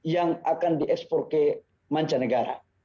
yang akan diekspor ke mancanegara